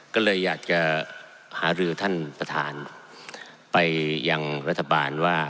ก็เลยอยากจะหารือท่านประธานไปยังรัฐบาลว่า